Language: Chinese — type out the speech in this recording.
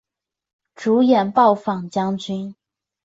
主演暴坊将军。